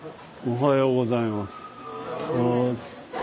おはようございます。